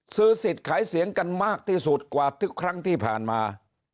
ซื้อสิทธิ์ขายเสียงกันมากที่สุดกว่าทุกครั้งที่ผ่านมา